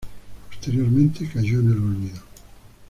Posteriormente cayó en el olvido.